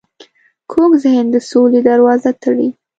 کوږ ذهن د سولې دروازه تړي